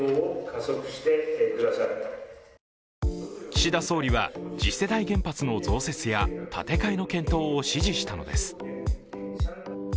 岸田総理は次世代原発の増設や建て替えの検討を指示したのです。